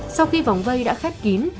sau khi vòng vây đã khép kín